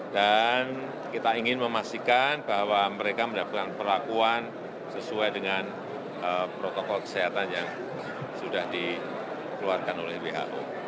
dan kita ingin memastikan bahwa mereka mendapatkan perlakuan sesuai dengan protokol kesehatan yang sudah dikeluarkan oleh who